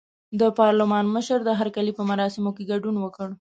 د پارلمان مشر د هرکلي په مراسمو کې ګډون وکړ.